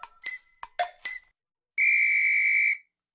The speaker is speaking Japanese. ピッ！